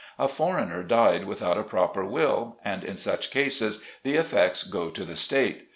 A foreigner died without a proper will ; and in such cases the effects go to the state.